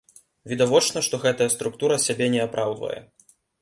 Відавочна, што гэтая структура сябе не апраўдвае.